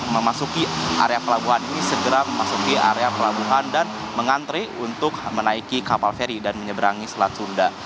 memasuki area pelabuhan ini segera memasuki area pelabuhan dan mengantri untuk menaiki kapal feri dan menyeberangi selat sunda